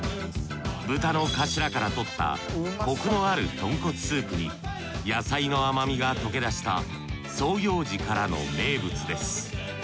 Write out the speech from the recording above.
豚のカシラからとったコクのある豚骨スープに野菜の甘みが溶けだした創業時からの名物です。